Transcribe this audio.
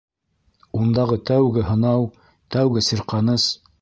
Ундағы тәүге һынау, тәүге сирҡаныс...